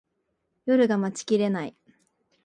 夜が待ちきれない